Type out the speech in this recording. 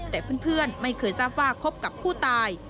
แต่เพื่อนไม่เคยทราบว่าคบกับผู้ตาย